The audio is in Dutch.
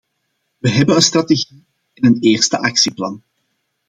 We hebben een strategie en een eerste actieplan.